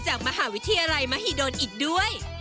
จากมหาวิทยาลัยมหิดลอีกด้วย